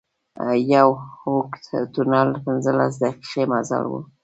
یو اوږد تونل پنځلس دقيقې مزل و.